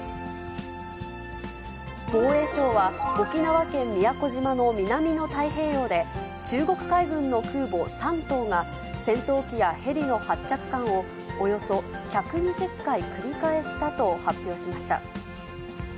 防衛省は、沖縄県宮古島の南の太平洋で、中国海軍の空母、山東が戦闘機やヘリの発着艦をおよそ１２０回繰り返したと発表しました。